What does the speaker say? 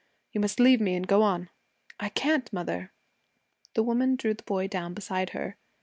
'You must leave me and go on.' 'I can't, mother.' The woman drew the boy down beside her.